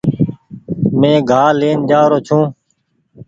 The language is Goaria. مينٚ گھاه لين جآرو ڇوٚنٚ